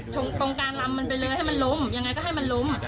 ตรงกลางลำมันไปเลยให้มันล้มยังไงก็ให้มันล้ม